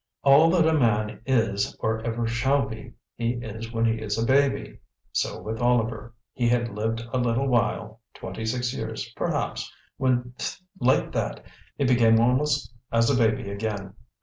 All that a man IS or ever shall be, he is when he is a baby. So with Oliver; he had lived a little while, twenty six years, perhaps, when pft like that! he became almost as a baby again.